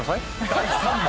［第３問］